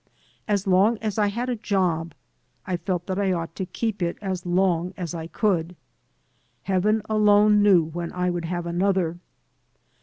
As long as I had a job, I felt that I ought to keep it as long as I could. Heaven alone knew when I would have another.